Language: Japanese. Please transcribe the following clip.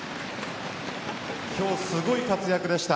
今日、すごい活躍でした。